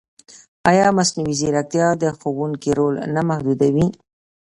ایا مصنوعي ځیرکتیا د ښوونکي رول نه محدودوي؟